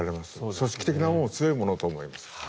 組織的な強いものだと思います。